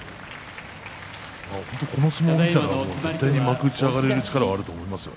この相撲見たら幕内に上がる力はあると思いますよ。